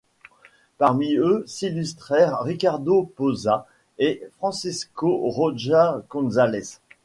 Parmi eux s'illustrèrent Ricardo Pozas et Francisco Rojas Gonzalez.